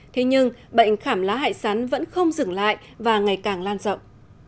thế nhưng bệnh khảm lá hại sắn vẫn không dừng lại và ngày càng lan rộng